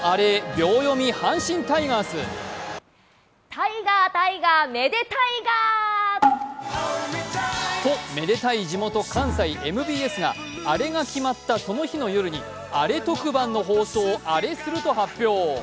秒読み阪神タイガース。と、めでたい地元・関西ＭＢＳが、アレが決まったその日の夜にアレ特番の放送をアレすると発表。